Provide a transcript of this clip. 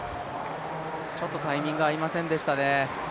ちょっとタイミング合いませんでしたね。